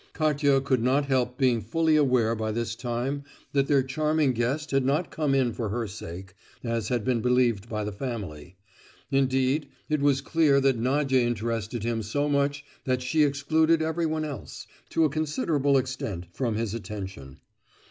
Katia could not help being fully aware by this time that their charming guest had not come in for her sake, as had been believed by the family; indeed, it was clear that Nadia interested him so much that she excluded everyone else, to a considerable extent, from his attention.